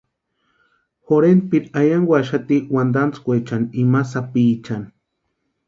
Jorhenpiri ayankwaxati wantantskwechani imani sapichani.